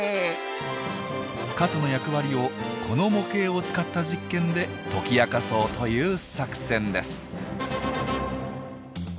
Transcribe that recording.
傘の役割をこの模型を使った実験で解き明かそうという作戦です。